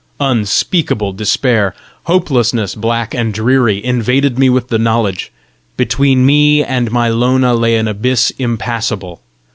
Unspeakable despair, hopelessness blank and dreary, invaded me with the knowledge: between me and my Lona lay an abyss impassable!